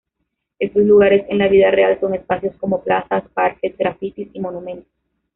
Estos lugares, en la vida real son espacios como: plazas, parques, grafitis y monumentos.